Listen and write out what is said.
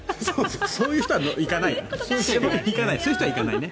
そういう人は行かないよね。